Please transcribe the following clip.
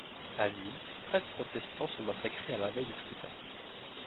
À Nîmes, treize protestants sont massacrés à la veille du scrutin.